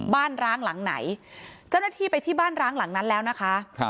ร้างหลังไหนเจ้าหน้าที่ไปที่บ้านร้างหลังนั้นแล้วนะคะ